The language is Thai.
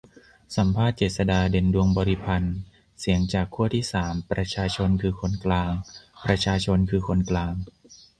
สัมภาษณ์ เจษฎา เด่นดวงบริพันธ์ : เสียงจากขั้วที่สาม 'ประชาชนคือคนกลาง' ประชาชนคือคนกลาง